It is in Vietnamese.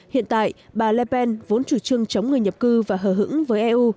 hiện tại bà le pen vốn chủ trương chống người nhập cư và hờ hững với eu